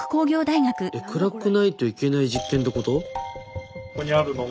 えっ暗くないといけない実験ってこと？